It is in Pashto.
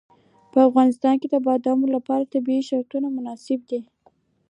په افغانستان کې د بادامو لپاره طبیعي شرایط مناسب دي.